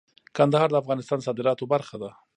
کندهار د افغانستان د صادراتو برخه ده.